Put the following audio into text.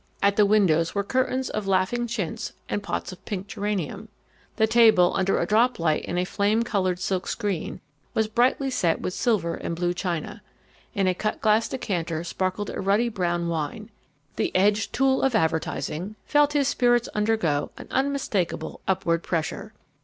At the windows were curtains of laughing chintz and pots of pink geranium. The table, under a drop light in a flame coloured silk screen, was brightly set with silver and blue china. In a cut glass decanter sparkled a ruddy brown wine. The edged tool of Advertising felt his spirits undergo an unmistakable upward pressure.